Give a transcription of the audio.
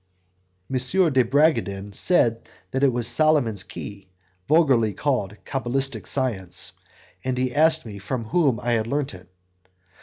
M. de Bragadin said that it was Solomon's key, vulgarly called cabalistic science, and he asked me from whom I learnt it.